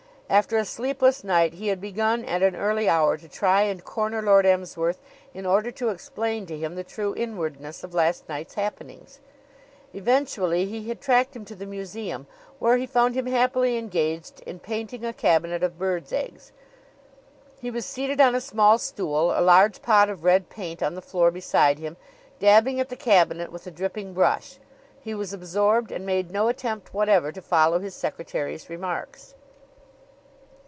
After a sleepless night he had begun at an early hour to try and corner Lord Emsworth in order to explain to him the true inwardness of last night's happenings. Eventually he had tracked him to the museum, where he found him happily engaged in painting a cabinet of birds' eggs. He was seated on a small stool, a large pot of red paint on the floor beside him, dabbing at the cabinet with a dripping brush. He was absorbed and made no attempt whatever to follow his secretary's remarks.